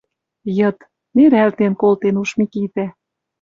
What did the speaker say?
Йыд. Нерӓлтен колтен уж Микитӓ